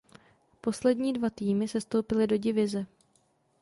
Poslední dva týmy sestoupily do divize.